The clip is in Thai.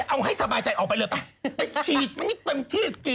เอาให้สบายใจออกไปเลยไปฉีดมันก็เต็มที่กี่ฉีด